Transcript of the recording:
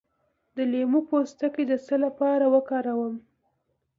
د لیمو پوستکی د څه لپاره وکاروم؟